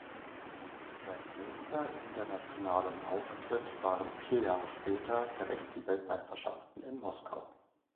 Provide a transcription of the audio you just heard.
Sein nächster internationalen Auftritt waren vier Jahre später direkt die Weltmeisterschaften in Moskau.